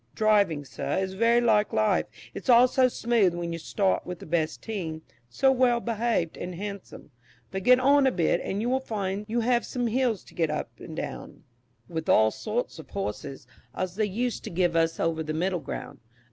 Driving, sir, is very like life, it's all so smooth when you start with the best team, so well behaved and handsome; but get on a bit, and you will find you have some hills to get up and down, with all sorts of horses, as they used to give us over the middle ground.